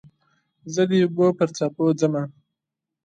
زه د اوبو پر څپو ځمه